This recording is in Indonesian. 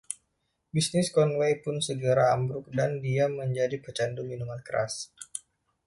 Bisnis Conway pun segera ambruk dan dia menjadi pecandu minuman keras.